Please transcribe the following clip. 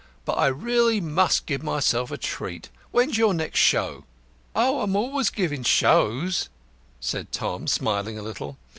But I really must give myself a treat. When's your next show?" "Oh, I am always giving shows," said Tom, smiling a little.